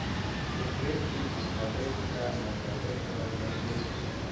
فهرست مخارج و مصارف را تهیه کنید